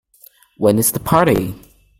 When is the party?